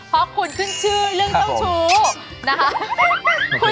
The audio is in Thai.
เพราะคุณชื่นชื่อเรื่องเถ้าชู